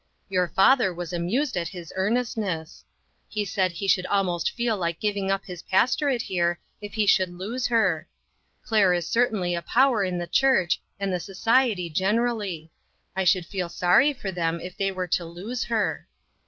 Your father was amused at his earnestness. He said he should almost feel like giving up his pastorate here, if he should lose her. Claire is certainly a power in the church, and the society gener ally. I should feel sorry for them if they were to lose her."